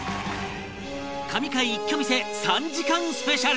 神回一挙見せ３時間スペシャル